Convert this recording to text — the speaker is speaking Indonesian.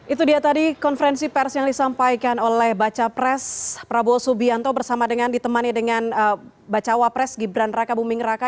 itu dia tadi konferensi pers yang disampaikan oleh baca pres prabowo subianto bersama dengan ditemani dengan bacawa pres gibran raka buming raka